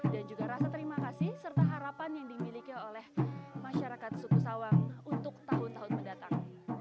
dan juga rasa terima kasih serta harapan yang dimiliki oleh masyarakat suku sawang untuk tahun tahun mendatang